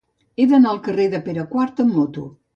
He d'anar al carrer de Pere IV amb moto.